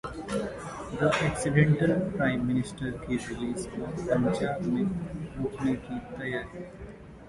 'the accidental prime minister' की release को पंजाब में रोकने की तैयारी